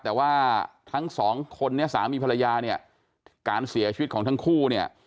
แต่ว่าทั้งสองคนเนี่ยสามีภรรยาเนี่ยการเสียชีวิตของทั้งคู่เนี่ย